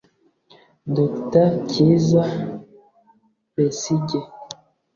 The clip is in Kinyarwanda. Dr Kizza Besigye